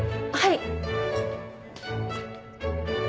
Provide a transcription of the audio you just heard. はい。